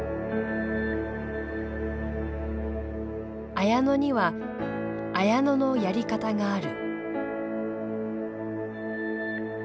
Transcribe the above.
「綾乃には綾乃のやり方がある」。